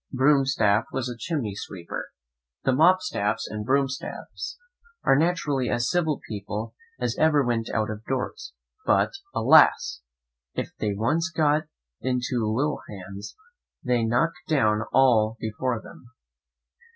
Broomstaff was a chimney sweeper. The Mopstaffs and Broomstaffs are naturally as civil people as ever went out of doors; but, alas! if they once get into ill hands, they knock down all before them.